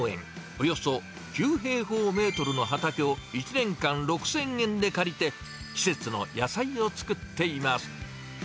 およそ９平方メートルの畑を１年間６０００円で借りて、季節の野菜を作っています。